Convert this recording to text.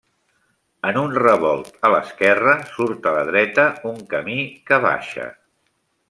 En un revolt a l'esquerra, surt a la dreta un camí que baixa.